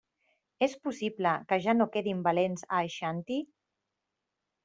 És possible que ja no quedin valents a Aixanti?